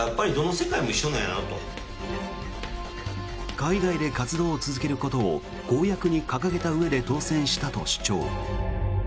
海外で活動を続けることを公約に掲げたうえで当選したと主張。